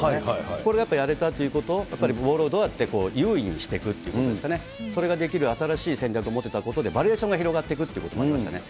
これやっぱりやれたということ、やっぱりボールをどうやって優位にしていくということですかね、それができる新しい戦略を持てたことで、バリエーションが広がってくっていうこともありましたね。